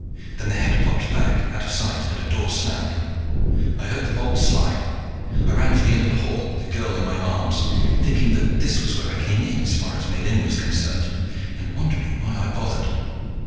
Then the head popped back out of sight and a door slammed. I heard the bolt slide. I ran for the end of the hall, the girl in my arms, thinking that this was where I came in, as far as Miellyn was concerned, and wondering why I bothered.